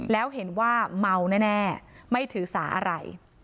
แล้วเห็นว่าเมาแน่ไม่ถือสาอะไร